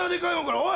おい！